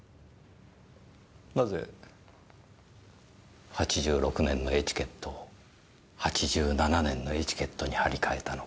なぜ８６年のエチケットを８７年のエチケットに張り替えたのか？